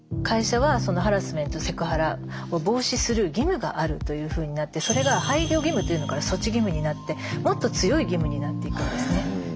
会社はそのハラスメントセクハラを防止する義務があるというふうになってそれが配慮義務というのから措置義務になってもっと強い義務になっていくんですね。